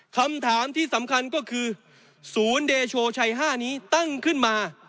คำถามที่สำคัญก็คือศูนย์เดโชชัย๕นี้ตั้งขึ้นมา